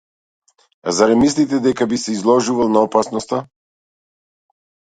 Зарем мислите дека би се изложувал на опасноста?